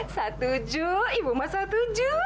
satu ju ibu mah satu ju